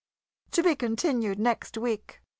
TO BE CONTINUED NEXT WEEK.